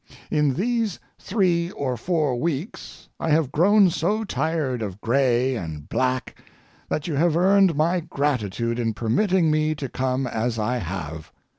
In these three or four weeks I have grown so tired of gray and black that you have earned my gratitude in permitting me to come as I have.